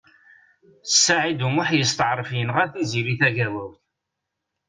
Saɛid U Muḥ yesṭeɛref yenɣa Tiziri Tagawawt.